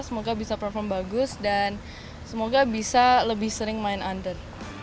semoga bisa perform bagus dan semoga bisa lebih sering main under